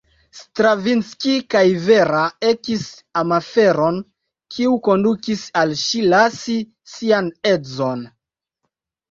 Stravinski kaj Vera ekis amaferon kiu kondukis al ŝi lasi sian edzon.